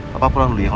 papa pulang dulu ya